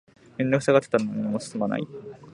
面倒くさがってたら何も進まない